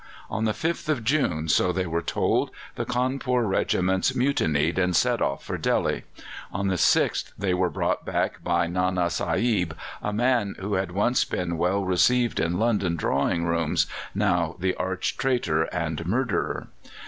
On the 5th of June, so they were told, the Cawnpore regiments mutinied and set off for Delhi. On the 6th they were brought back by Nana Sahib, a man who had once been well received in London drawing rooms, now the arch traitor and murderer.